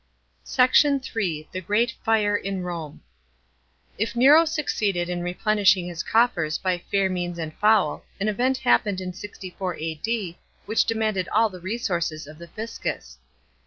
* SECT. III.— THE GREAT FIRE IN BOMB. § 13. If Nero succeeded in replenishing his coffers by fair means and foul, an event happened in 64 A.D., which demanded all the resources of the fiscus.